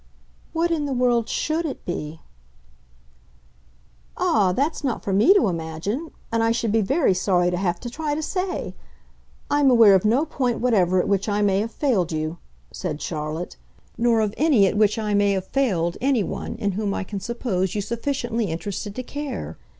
"What in the world SHOULD it be?" "Ah, that's not for me to imagine, and I should be very sorry to have to try to say! I'm aware of no point whatever at which I may have failed you," said Charlotte; "nor of any at which I may have failed any one in whom I can suppose you sufficiently interested to care.